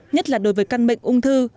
nhất là đối với căn bệnh ung thư